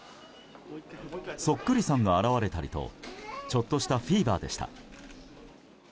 そっくりさんが現れたりとちょっとしたフィーバーでした。